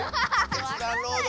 決断ロード！